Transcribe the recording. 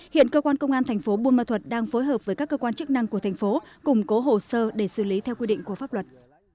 hiện cơ quan công an thành phố buôn ma thuật đang phối hợp với các cơ quan chức năng của thành phố củng cố hồ sơ để xử lý theo quy định của pháp luật